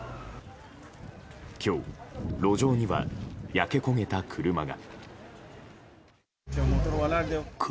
今日、路上には焼け焦げた車が。